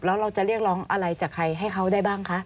แล้วเราจะเรียกร้องอะไรจากใครให้เขาได้บ้างคะ